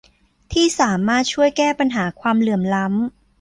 ที่สามารถช่วยแก้ปัญหาความเหลื่อมล้ำ